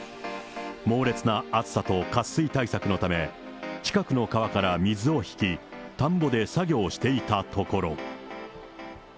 猛烈な暑さと渇水対策のため、近くの川から水を引き、田んぼで作業していたところ。